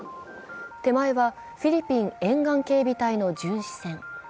手前はフィリピン沿岸警備隊の巡視船。